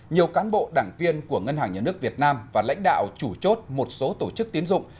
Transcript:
nhiều cán bộ đảng viên của ngân hàng nhà nước việt nam và lãnh đạo chủ chốt một số tổ chức tiến dụng